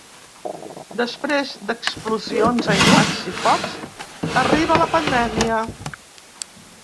Després d’explosions, aiguats i focs, arriba la pandèmia.